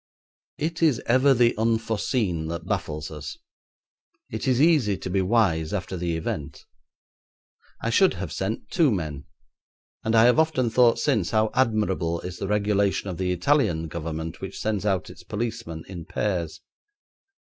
It is ever the unforeseen that baffles us; it is easy to be wise after the event. I should have sent two men, and I have often thought since how admirable is the regulation of the Italian Government which sends out its policemen in pairs.